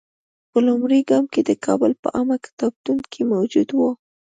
په لومړي ګام کې د کابل په عامه کتابتون کې موجود وو.